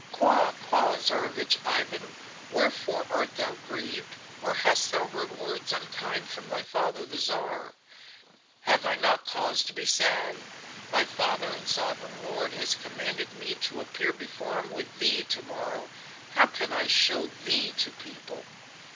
"Qua! qua! Tsarevich Ivan! wherefore art thou grieved? Or hast thou heard words unkind from thy father the Tsar?" "Have I not cause to be sad? My father and sovereign lord has commanded me to appear before him with thee to morrow! How can I show thee to people?"